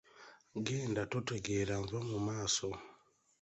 Genda totegeera nva mu maaso.